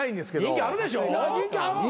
人気あるでしょ。